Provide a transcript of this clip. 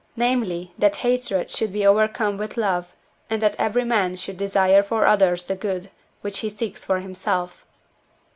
namely, that hatred should be overcome with love, and that every man should desire for others the good which he seeks for himself.